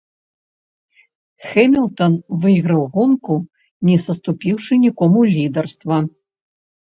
Хэмілтан выйграў гонку, не саступіўшы нікому лідарства.